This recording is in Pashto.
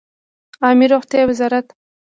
عامې روغتیا وزارت